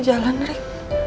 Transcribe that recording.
bisa jalan rick